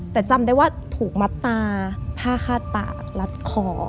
แต่จำได้ว่าถูกมัดตาผ้าคาดปากรัดคอ